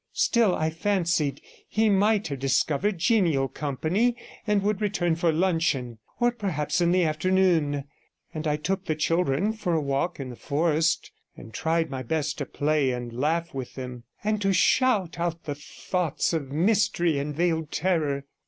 Still, I fancied he might have discovered genial company, and would return for luncheon, or perhaps in the afternoon, and I took the children for a walk in the forest, and tried my best to play and laugh with them, and to shout out the thoughts of mystery and veiled terror.